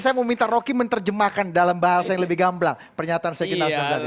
saya mau minta rocky menerjemahkan dalam bahasa yang lebih gamblang pernyataan sekjen nasdem tadi